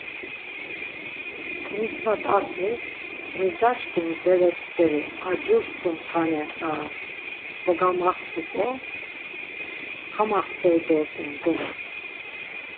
Timisvat aǩli, emicaşǩimişi bere st̆eri a cur sum tane daa kogamaxt̆uǩo, kamaxt̆ey dort̆u ngola.